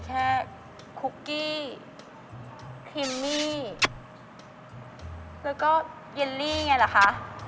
แล้วก็เยลลี่ไงล่ะคะ